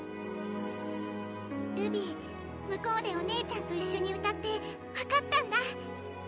ルビィ向こうでお姉ちゃんと一緒に歌って分かったんだ。